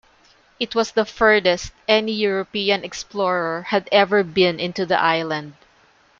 It was the furthest any European explorer had ever been into the island.